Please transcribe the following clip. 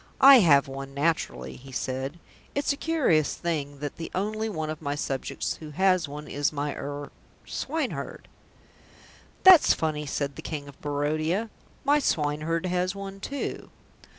"I have one naturally," he said. "It's a curious thing that the only one of my subjects who has one is my er swineherd." "That's funny," said the King of Barodia. "My swineherd has one too."